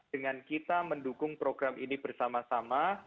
dengan kita mendukung program ini bersama sama